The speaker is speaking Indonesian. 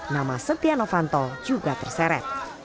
nama setia novanto juga terseret